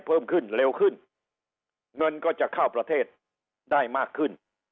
เพิ่มขึ้นเร็วขึ้นเงินก็จะเข้าประเทศได้มากขึ้น